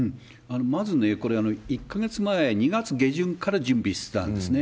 まず、これ１か月前、２月下旬から準備してたんですね。